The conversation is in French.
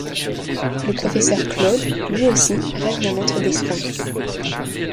Le professeur, Claude, lui aussi, rêve d'un autre destin.